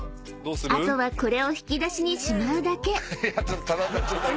［あとはこれを引き出しにしまうだけ］